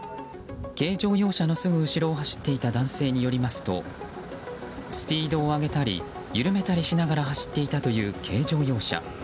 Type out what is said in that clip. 軽乗用車のすぐ後ろを走っていた男性によりますとスピードを上げたり緩めたりしながら走っていたという軽乗用車。